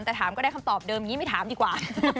แต่ถามก็ได้คำตอบเดิมอย่างนี้ไม่ถามดีกว่า